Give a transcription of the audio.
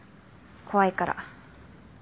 怖いから。